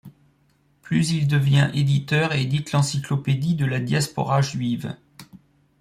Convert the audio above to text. Plus il devient éditeur et édite l'encyclopédie de la Diaspora juive.